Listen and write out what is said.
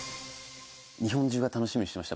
日本中が楽しみにしてました。